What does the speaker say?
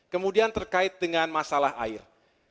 kemudian terkait dengan masalah air